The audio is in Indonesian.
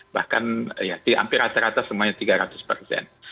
bahkan hampir rata rata semuanya tiga ratus persen